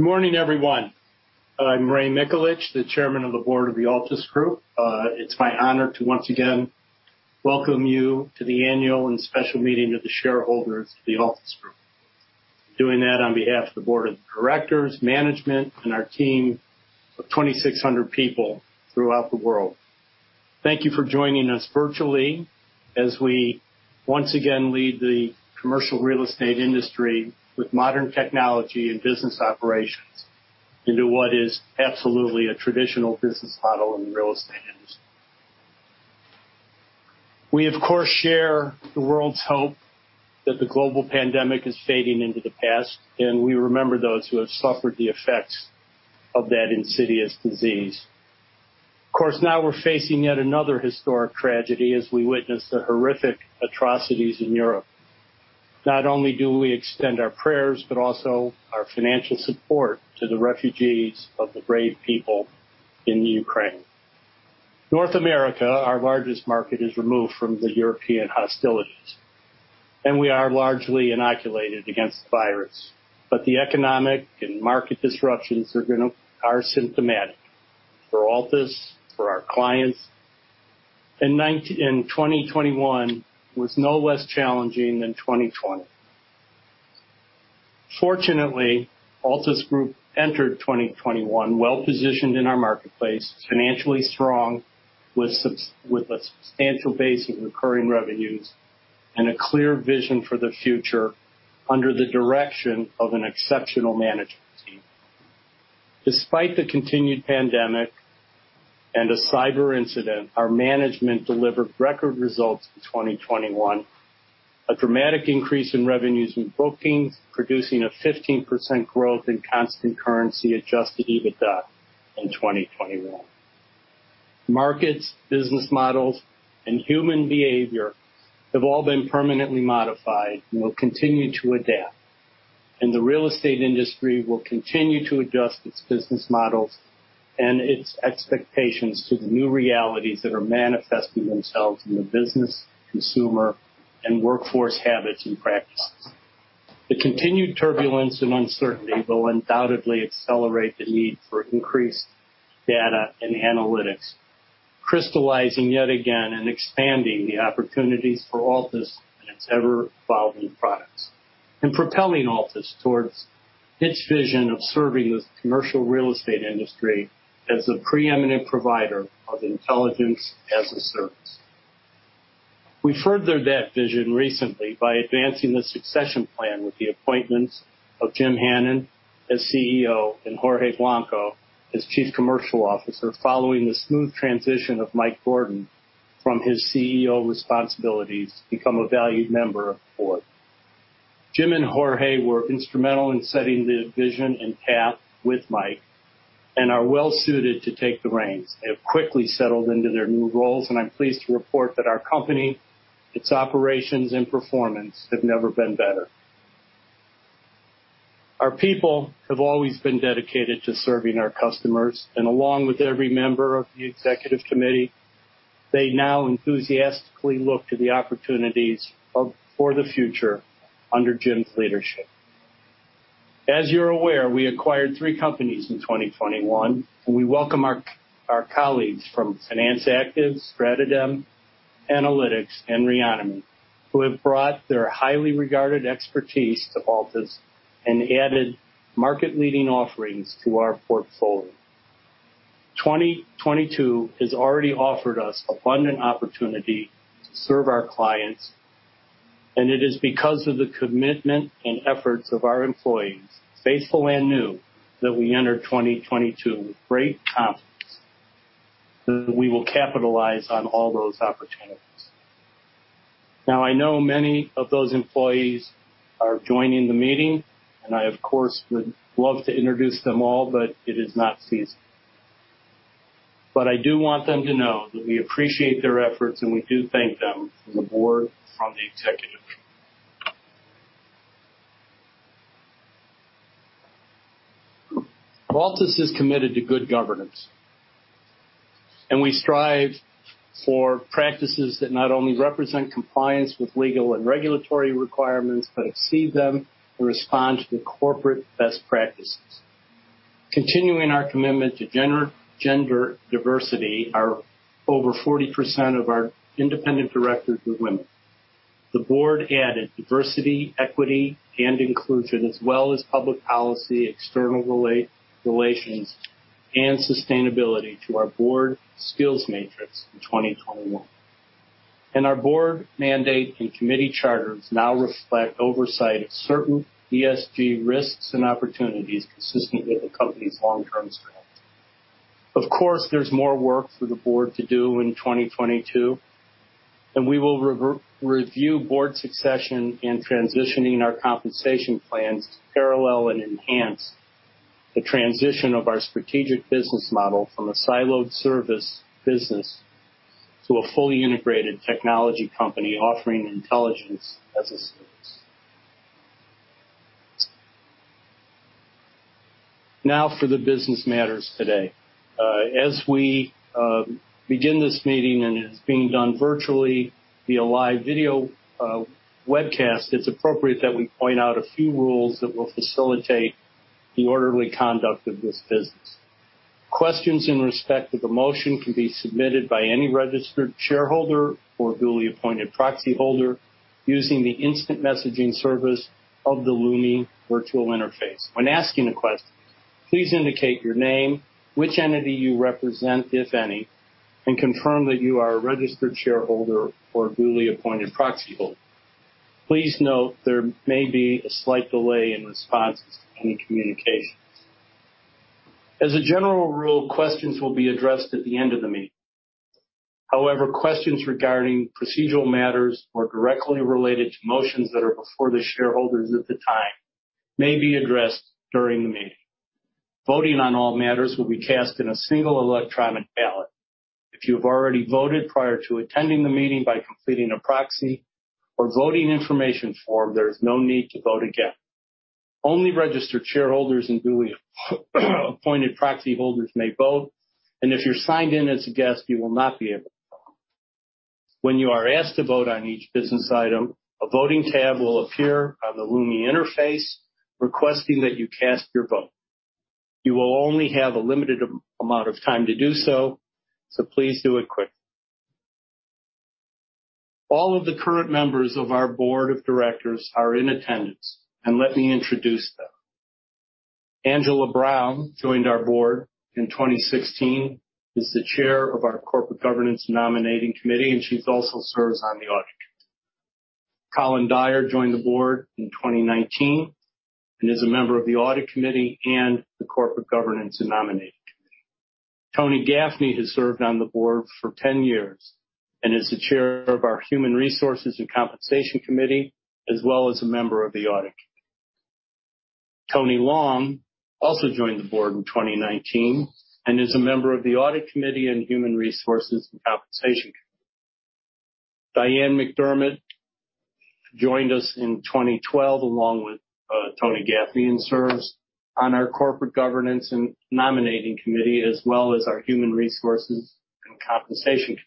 Good morning, everyone. I'm Ray Mikulich, the Chairman of the Board of the Altus Group. It's my honor to once again welcome you to the Annual and Special Meeting of the Shareholders of the Altus Group. Doing that on behalf of the board of directors, management, and our team of 2,600 people throughout the world. Thank you for joining us virtually as we once again lead the commercial real estate industry with modern technology and business operations into what is absolutely a traditional business model in the real estate industry. We, of course, share the world's hope that the global pandemic is fading into the past, and we remember those who have suffered the effects of that insidious disease. Of course, now we're facing yet another historic tragedy as we witness the horrific atrocities in Europe. Not only do we extend our prayers, but also our financial support to the refugees of the brave people in the Ukraine. North America, our largest market, is removed from the European hostilities, and we are largely inoculated against the virus, but the economic and market disruptions are symptomatic for Altus, for our clients. In 2021 was no less challenging than 2020. Fortunately, Altus Group entered 2021 well-positioned in our marketplace, financially strong with a substantial base of recurring revenues and a clear vision for the future under the direction of an exceptional management team. Despite the continued pandemic and a cyber incident, our management delivered record results in 2021. A dramatic increase in revenues with bookings producing a 15% growth in constant currency-adjusted EBITDA in 2021. Markets, business models, and human behavior have all been permanently modified and will continue to adapt, and the real estate industry will continue to adjust its business models and its expectations to the new realities that are manifesting themselves in the business, consumer, and workforce habits and practices. The continued turbulence and uncertainty will undoubtedly accelerate the need for increased data and analytics, crystallizing yet again and expanding the opportunities for Altus and its ever-evolving products, and propelling Altus towards its vision of serving the commercial real estate industry as the preeminent provider of intelligence as a service. We furthered that vision recently by advancing the succession plan with the appointments of Jim Hannon as CEO and Jorge Blanco as Chief Commercial Officer, following the smooth transition of Mike Gordon from his CEO responsibilities to become a valued member of the board. Jim and Jorge were instrumental in setting the vision and path with Mike and are well suited to take the reins. They have quickly settled into their new roles, and I'm pleased to report that our company, its operations and performance have never been better. Our people have always been dedicated to serving our customers, and along with every member of the executive committee, they now enthusiastically look to the opportunities for the future under Jim's leadership. As you're aware, we acquired three companies in 2021. We welcome our colleagues from Finance Active, StratoDem Analytics, and Reonomy, who have brought their highly regarded expertise to Altus and added market-leading offerings to our portfolio. 2022 has already offered us abundant opportunity to serve our clients, and it is because of the commitment and efforts of our employees, faithful and new, that we enter 2022 with great confidence that we will capitalize on all those opportunities. Now, I know many of those employees are joining the meeting, and I, of course, would love to introduce them all, but it is not feasible. I do want them to know that we appreciate their efforts, and we do thank them from the board, from the executive team. Altus is committed to good governance, and we strive for practices that not only represent compliance with legal and regulatory requirements but exceed them and respond to the corporate best practices. Continuing our commitment to gender diversity, over 40% of our independent directors are women. The board added diversity, equity, and inclusion, as well as public policy, external relations, and sustainability to our board skills matrix in 2021. Our board mandate and committee charters now reflect oversight of certain ESG risks and opportunities consistent with the company's long-term strategy. Of course, there's more work for the board to do in 2022, and we will review board succession in transitioning our compensation plans to parallel and enhance the transition of our strategic business model from a siloed service business to a fully integrated technology company offering intelligence as a service. Now for the business matters today. As we begin this meeting, and it is being done virtually via live video webcast, it's appropriate that we point out a few rules that will facilitate the orderly conduct of this business. Questions in respect of the motion can be submitted by any registered shareholder or duly appointed proxy holder using the instant messaging service of the Lumi virtual interface. When asking a question, please indicate your name, which entity you represent, if any, and confirm that you are a registered shareholder or duly appointed proxy holder. Please note there may be a slight delay in responses to any communications. As a general rule, questions will be addressed at the end of the meeting. However, questions regarding procedural matters or directly related to motions that are before the shareholders at the time may be addressed during the meeting. Voting on all matters will be cast in a single electronic ballot. If you have already voted prior to attending the meeting by completing a proxy or voting information form, there is no need to vote again. Only registered shareholders and duly appointed proxy holders may vote, and if you're signed in as a guest, you will not be able to vote. When you are asked to vote on each business item, a voting tab will appear on the Lumi interface requesting that you cast your vote. You will only have a limited amount of time to do so please do it quickly. All of the current members of our board of directors are in attendance, and let me introduce them. Angela Brown joined our board in 2016, is the Chair of our Corporate Governance and Nominating Committee, and she also serves on the Audit Committee. Colin Dyer joined the board in 2019 and is a member of the Audit Committee and the Corporate Governance and Nominating Committee. Tony Gaffney has served on the board for 10 years and is the chair of our Human Resources and Compensation Committee, as well as a member of the Audit Committee. Tony Long also joined the board in 2019 and is a member of the Audit Committee and Human Resources and Compensation Committee. Diane MacDiarmid joined us in 2012 along with Tony Gaffney, and serves on our Corporate Governance and Nominating Committee, as well as our Human Resources and Compensation Committee.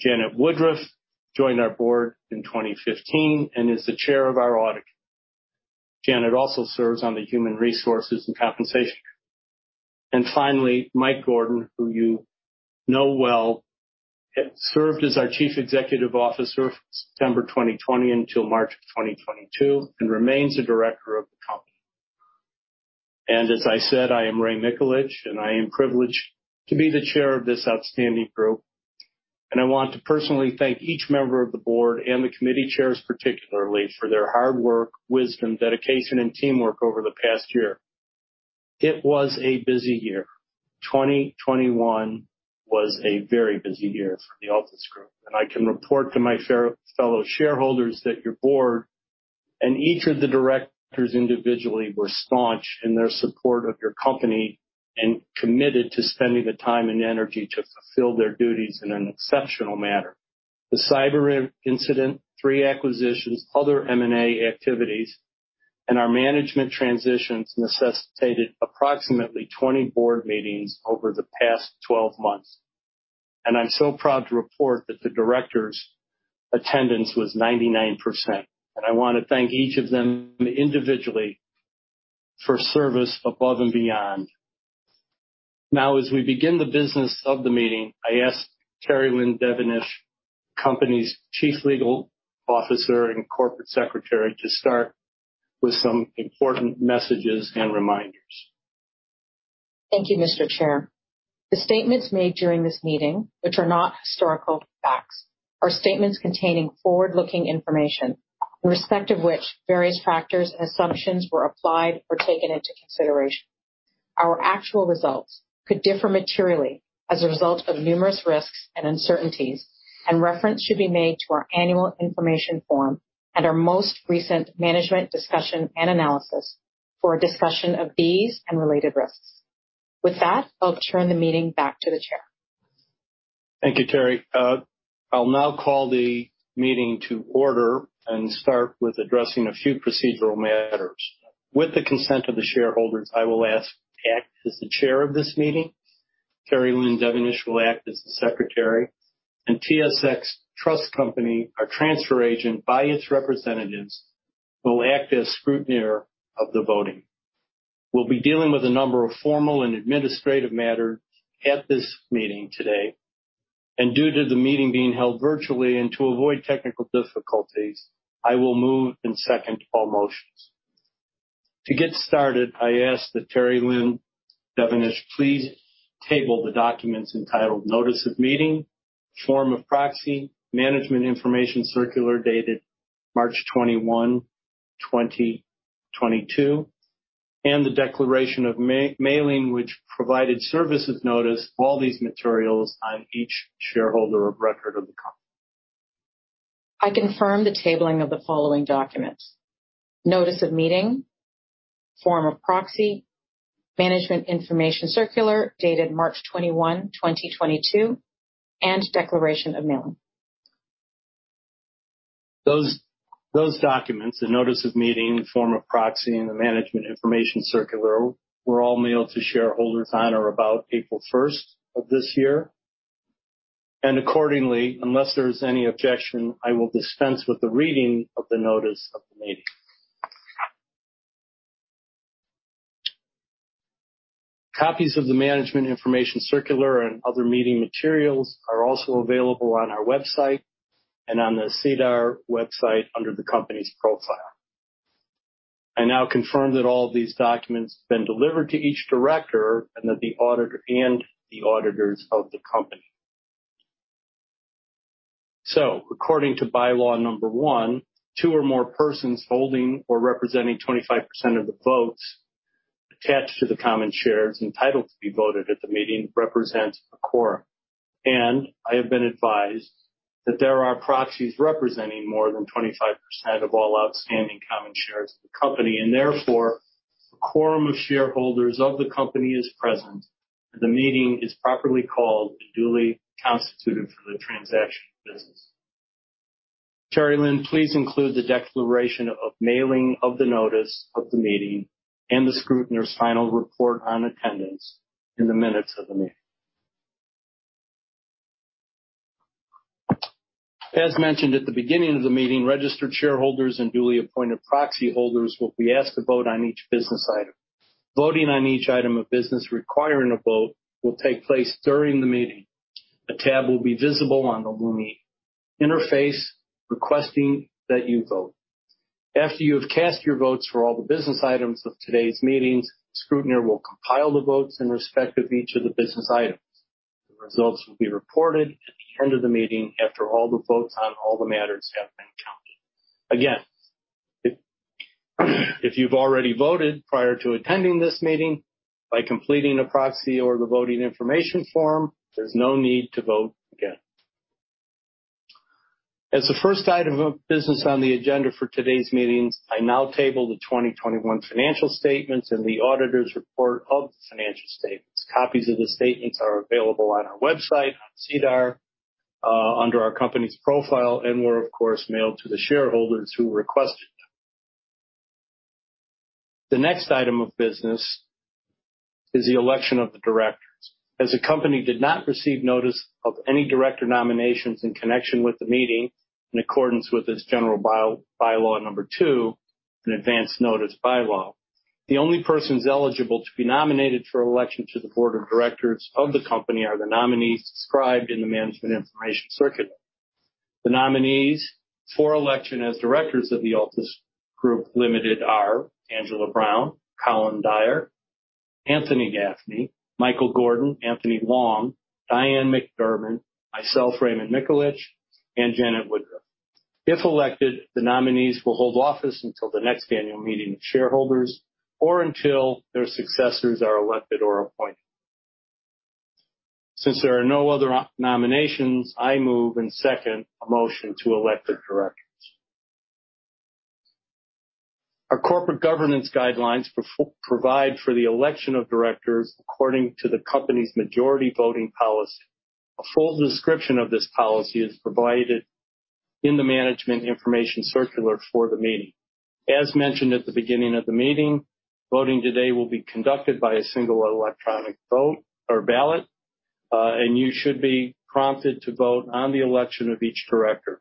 Janet Woodruff joined our board in 2015 and is the Chair of our Audit Committee. Janet also serves on the Human Resources and Compensation Committee. Mike Gordon, who you know well, served as our Chief Executive Officer from September 2020 until March 2022, and remains a director of the company. as I said, I am Ray Mikulich, and I am privileged to be the chair of this outstanding group. I want to personally thank each member of the board and the committee chairs, particularly, for their hard work, wisdom, dedication, and teamwork over the past year. It was a busy year. 2021 was a very busy year for the Altus Group. I can report to my fellow shareholders that your board and each of the directors individually were staunch in their support of your company and committed to spending the time and energy to fulfill their duties in an exceptional manner. The cyber incident, three acquisitions, other M&A activities, and our management transitions necessitated approximately 20 board meetings over the past 12 months. I'm so proud to report that the directors' attendance was 99%. I wanna thank each of them individually for service above and beyond. Now, as we begin the business of the meeting, I ask Terrie-Lynne Devonish, company's Chief Legal Officer and Corporate Secretary to start with some important messages and reminders. Thank you, Mr. Chair. The statements made during this meeting, which are not historical facts, are statements containing forward-looking information, irrespective of which various factors and assumptions were applied or taken into consideration. Our actual results could differ materially as a result of numerous risks and uncertainties, and reference should be made to our Annual Information Form and our most recent management's discussion and analysis for a discussion of these and related risks. With that, I'll turn the meeting back to the chair. Thank you, Terry. I'll now call the meeting to order and start with addressing a few procedural matters. With the consent of the shareholders, I will ask to act as the chair of this meeting. Terrie-Lynne Devonish will act as the secretary. TSX Trust Company, our transfer agent by its representatives, will act as scrutineer of the voting. We'll be dealing with a number of formal and administrative matters at this meeting today. Due to the meeting being held virtually and to avoid technical difficulties, I will move and second all motions. To get started, I ask that Terrie-Lynne Devonish please table the documents entitled Notice of Meeting, Form of Proxy, Management Information Circular dated March 21, 2022, and the Declaration of Mailing, which provided service of notice of all these materials on each shareholder of record of the company. I confirm the tabling of the following documents. Notice of Meeting, Form of Proxy, Management Information Circular dated March 21, 2022, and Declaration of Mailing. Those documents, the notice of meeting, the form of proxy and the management information circular were all mailed to shareholders on or about April 1st of this year. Accordingly, unless there's any objection, I will dispense with the reading of the notice of the meeting. Copies of the management information circular and other meeting materials are also available on our website and on the SEDAR website under the company's profile. I now confirm that all of these documents have been delivered to each director and that the auditors of the company. According to bylaw number one, two or more persons holding or representing 25% of the votes attached to the common shares entitled to be voted at the meeting represents a quorum. I have been advised that there are proxies representing more than 25% of all outstanding common shares of the company, and therefore a quorum of shareholders of the company is present, and the meeting is properly called and duly constituted for the transaction of business. Terrie-Lynne, please include the declaration of mailing of the notice of the meeting and the scrutineer's final report on attendance in the minutes of the meeting. As mentioned at the beginning of the meeting, registered shareholders and duly appointed proxy holders will be asked to vote on each business item. Voting on each item of business requiring a vote will take place during the meeting. A tab will be visible on the Lumi interface requesting that you vote. After you have cast your votes for all the business items of today's meetings, scrutineer will compile the votes in respect of each of the business items. The results will be reported at the end of the meeting after all the votes on all the matters have been counted. Again, if you've already voted prior to attending this meeting by completing a proxy or the voting information form, there's no need to vote again. As the first item of business on the agenda for today's meetings, I now table the 2021 financial statements and the auditor's report of the financial statements. Copies of the statements are available on our website, on SEDAR, under our company's profile, and were of course mailed to the shareholders who requested. The next item of business is the election of the directors. As the company did not receive notice of any director nominations in connection with the meeting, in accordance with its general bylaw number 2, an advance notice bylaw, the only persons eligible to be nominated for election to the board of directors of the company are the nominees described in the management information circular. The nominees for election as directors of the Altus Group Limited are Angela Brown, Colin Dyer, Anthony Gaffney, Mike Gordon, Anthony Long, Diane MacDiarmid, myself, Raymond Mikulich, and Janet Woodruff. If elected, the nominees will hold office until the next annual meeting of shareholders or until their successors are elected or appointed. Since there are no other nominations, I move and second a motion to elect the directors. Our corporate governance guidelines provide for the election of directors according to the company's majority voting policy. A full description of this policy is provided in the management information circular for the meeting. As mentioned at the beginning of the meeting, voting today will be conducted by a single electronic vote or ballot, and you should be prompted to vote on the election of each director.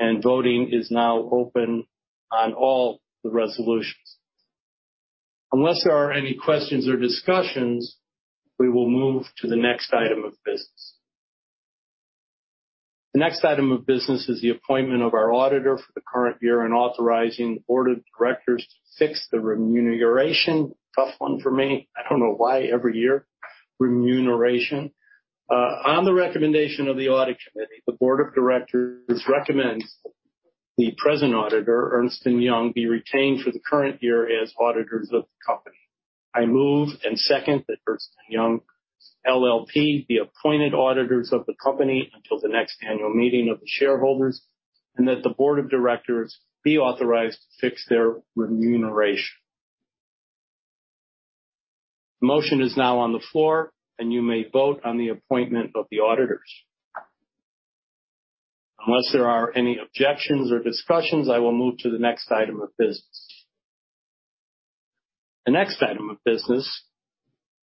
Voting is now open on all the resolutions. Unless there are any questions or discussions, we will move to the next item of business. The next item of business is the appointment of our auditor for the current year and authorizing the Board of Directors to fix the remuneration. Tough one for me. I don't know why every year. Remuneration. On the recommendation of the Audit Committee, the Board of Directors recommends the present auditor, Ernst & Young, be retained for the current year as auditors of the company. I move and second that Ernst & Young LLP be appointed auditors of the company until the next annual meeting of the shareholders, and that the board of directors be authorized to fix their remuneration. The motion is now on the floor, and you may vote on the appointment of the auditors. Unless there are any objections or discussions, I will move to the next item of business. The next item of business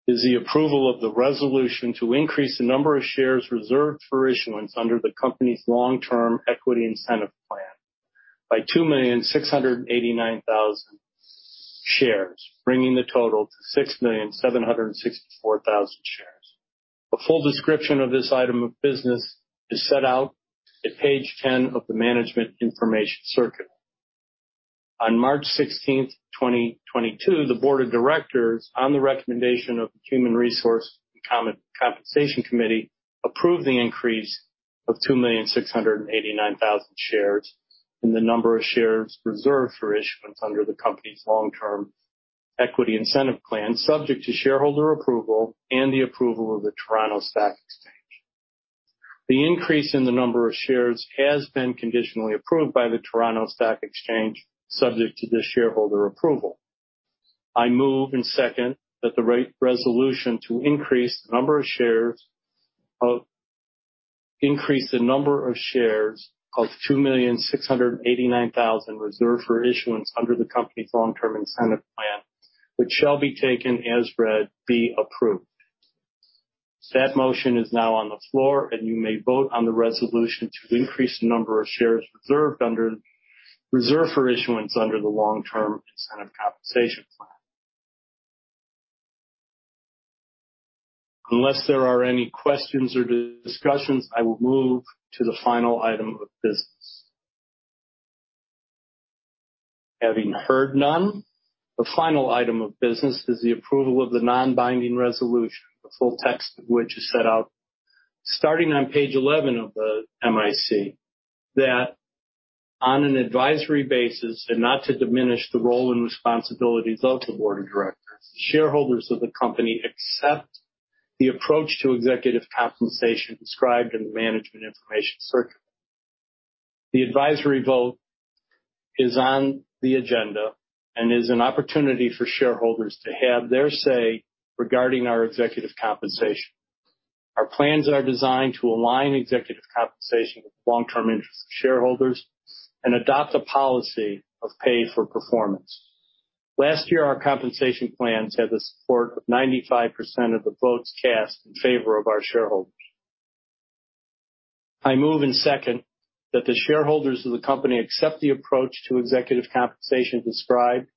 is the approval of the resolution to increase the number of shares reserved for issuance under the company's long-term equity incentive plan by 2,689,000 shares, bringing the total to 6,764,000 shares. A full description of this item of business is set out at page 10 of the management information circular. On March 16th, 2022, the board of directors, on the recommendation of the Human Resources and Compensation Committee, approved the increase of 2,689,000 shares in the number of shares reserved for issuance under the company's long-term equity incentive plan, subject to shareholder approval and the approval of the Toronto Stock Exchange. The increase in the number of shares has been conditionally approved by the Toronto Stock Exchange, subject to the shareholder approval. I move and second that the resolution to increase the number of shares of 2,689,000 reserved for issuance under the company's long-term incentive plan, which shall be taken as read, be approved. That motion is now on the floor, and you may vote on the resolution to increase the number of shares reserved for issuance under the long-term incentive compensation plan. Unless there are any questions or discussions, I will move to the final item of business. Having heard none, the final item of business is the approval of the non-binding resolution, the full text of which is set out starting on page 11 of the MIC, that on an advisory basis, and not to diminish the role and responsibilities of the Board of Directors, the shareholders of the company accept the approach to executive compensation described in the management information circular. The advisory vote is on the agenda and is an opportunity for shareholders to have their say regarding our executive compensation. Our plans are designed to align executive compensation with long-term interest of shareholders and adopt a policy of pay for performance. Last year, our compensation plans had the support of 95% of the votes cast in favor of our shareholders. I move and second that the shareholders of the company accept the approach to executive compensation described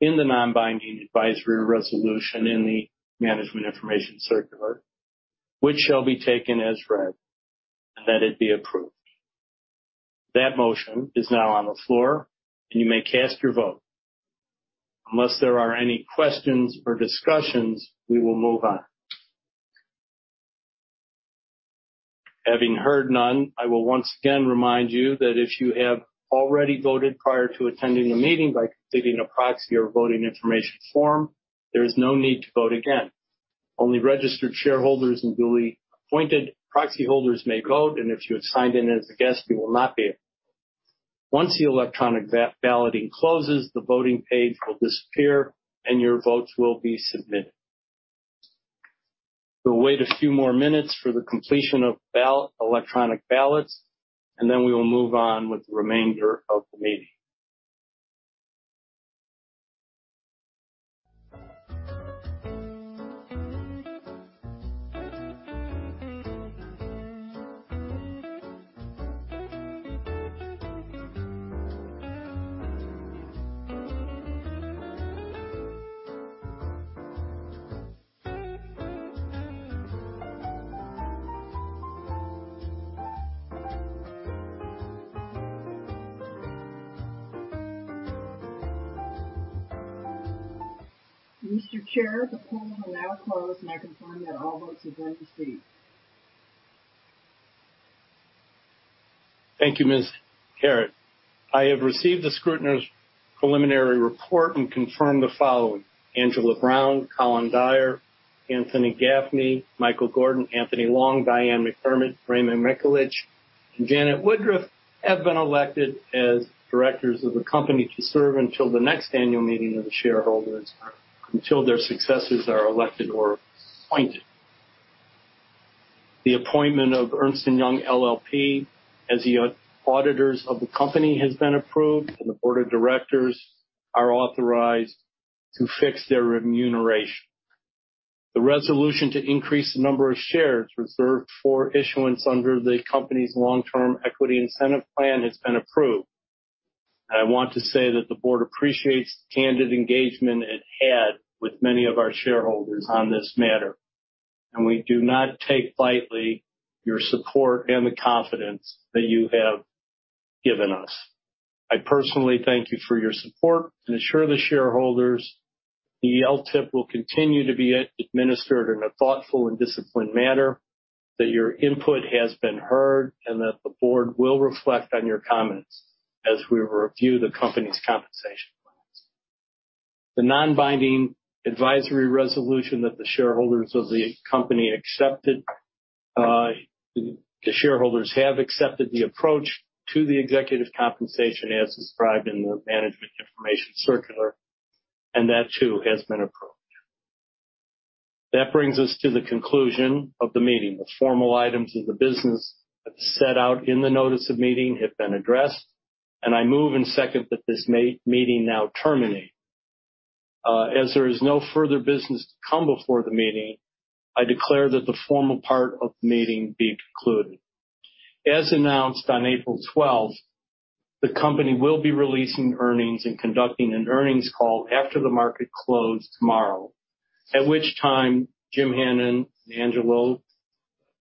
in the non-binding advisory resolution in the management information circular, which shall be taken as read, and that it be approved. That motion is now on the floor, and you may cast your vote. Unless there are any questions or discussions, we will move on. Having heard none, I will once again remind you that if you have already voted prior to attending the meeting by completing a proxy or voting information form, there is no need to vote again. Only registered shareholders and duly appointed proxy holders may vote. If you have signed in as a guest, you will not be able to vote. Once the electronic balloting closes, the voting page will disappear, and your votes will be submitted. We'll wait a few more minutes for the completion of electronic ballots, and then we will move on with the remainder of the meeting. Mr. Chair, the polls are now closed, and I confirm that all votes have been received. Thank you, Terrie-Lynne Devonish. I have received the scrutineer's preliminary report and confirm the following: Angela Brown, Colin Dyer, Anthony Gaffney, Mike Gordon, Anthony Long, Diane MacDiarmid, Raymond Mikulich, and Janet Woodruff have been elected as directors of the company to serve until the next annual meeting of the shareholders or until their successors are elected or appointed. The appointment of Ernst & Young LLP as the auditors of the company has been approved, and the board of directors are authorized to fix their remuneration. The resolution to increase the number of shares reserved for issuance under the company's long-term equity incentive plan has been approved. I want to say that the board appreciates the candid engagement it had with many of our shareholders on this matter, and we do not take lightly your support and the confidence that you have given us. I personally thank you for your support and assure the shareholders the LTIP will continue to be administered in a thoughtful and disciplined manner, that your input has been heard, and that the board will reflect on your comments as we review the company's compensation plans. The non-binding advisory resolution that the shareholders have accepted the approach to the executive compensation as described in the management information circular, and that, too, has been approved. That brings us to the conclusion of the meeting. The formal items of the business that are set out in the notice of meeting have been addressed, and I move and second that this meeting now terminate. As there is no further business to come before the meeting, I declare that the formal part of the meeting be concluded. As announced on April twelfth, the company will be releasing earnings and conducting an earnings call after the market close tomorrow. At which time, Jim Hannon and Angelo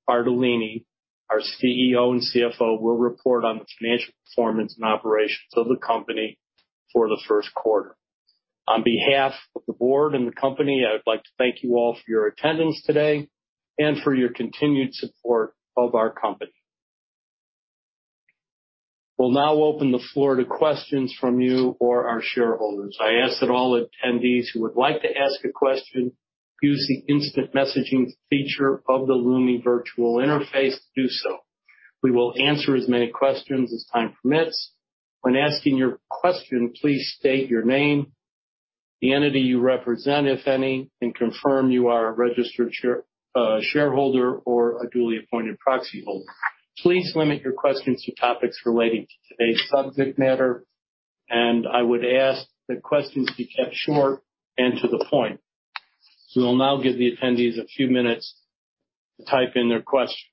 Bartolini, our CEO and CFO, will report on the financial performance and operations of the company for the Q1. On behalf of the board and the company, I would like to thank you all for your attendance today and for your continued support of our company. We'll now open the floor to questions from you or our shareholders. I ask that all attendees who would like to ask a question use the instant messaging feature of the Lumi Virtual interface to do so. We will answer as many questions as time permits. When asking your question, please state your name, the entity you represent, if any, and confirm you are a registered shareholder or a duly appointed proxy holder. Please limit your questions to topics relating to today's subject matter, and I would ask that questions be kept short and to the point. We will now give the attendees a few minutes to type in their questions.